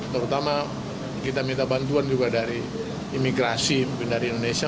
terutama kita minta bantuan juga dari imigrasi mungkin dari indonesia